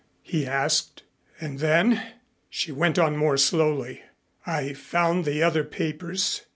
he asked. "And then," she went on more slowly, "I found the other papers.